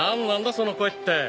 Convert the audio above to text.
その声って。